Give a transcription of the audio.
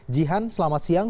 jihan selamat siang